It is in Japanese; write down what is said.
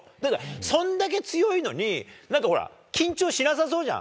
そんだけ強いのに、なんかほら、緊張しなさそうじゃん。